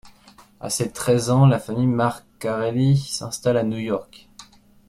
À ses treize ans, la famille Marcarelli s'installe à New York.